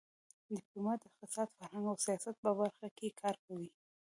ډيپلومات د اقتصاد، فرهنګ او سیاست په برخه کې کار کوي.